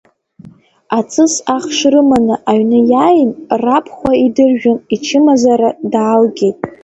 Аҵыс ахш рыманы аҩны иааин, рабхәа идыржәын, ичымазара даалгеит.